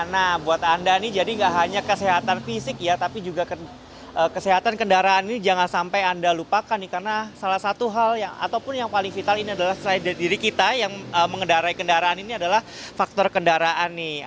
nah buat anda nih jadi gak hanya kesehatan fisik ya tapi juga kesehatan kendaraan ini jangan sampai anda lupakan nih karena salah satu hal ataupun yang paling vital ini adalah selain dari diri kita yang mengendarai kendaraan ini adalah faktor kendaraan nih